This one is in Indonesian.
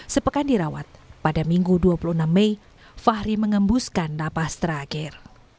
sepekan dirawat pada minggu dua puluh enam mei fahri mengembuskan napas terakhir